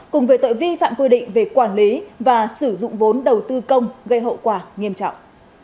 cùng về tội vi phạm quy định về quản lý và sử dụng vốn đầu tư công gây hậu quả nghiêm trọng